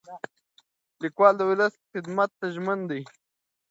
لیکوال د ولس خدمت ته ژمن دی.